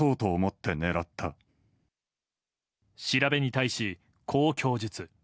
調べに対し、こう供述。